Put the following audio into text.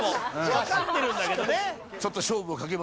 わかってるんだけどね。